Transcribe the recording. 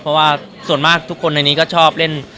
เพราะว่าส่วนมากทุกคนในนี้ก็ชอบเล่น